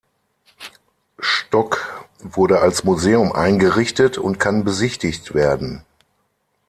Stock wurde als Museum eingerichtet und kann besichtigt werden.